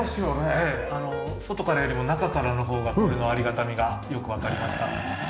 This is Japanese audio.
外からよりも中からの方がこれのありがたみがよくわかりました。